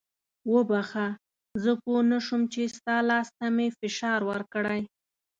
وبخښه زه پوه نه شوم چې ستا لاس ته مې فشار ورکړی.